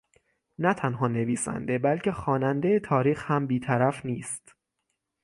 نه تنها نویسنده بلکه خواننده تاریخ هم بی طرف نیست